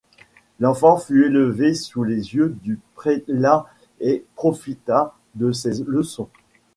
L'enfant fut élevé sous les yeux du prélat et profita de ses leçons.